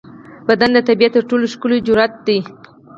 بدن د طبیعت تر ټولو ښکلی جوړڻت دی.